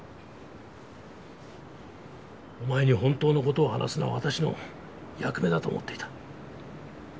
お前に本当の事を話すのは私の役目だと思っていた。